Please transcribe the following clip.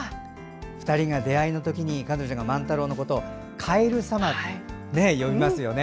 ２人が出会いの時に彼女が万太郎のことをカエル様と呼びますよね。